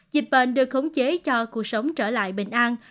dịch bệnh được khống chế cho cuộc sống trở lại bình an